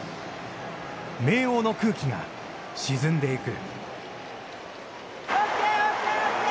明桜の空気が沈んでいく。